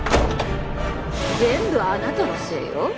全部あなたのせいよ。